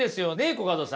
コカドさん。